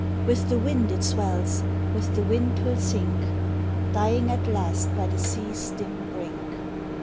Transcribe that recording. With the wind it swells, with the wind 'twill sink, Dying at last by the sea's dim brink.